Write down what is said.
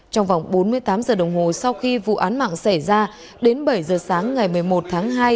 trong vòng bốn mươi tám giờ đồng hồ sau khi vụ án mạng xảy ra đến bảy giờ sáng ngày một mươi một tháng hai